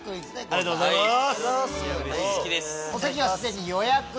ありがとうございます。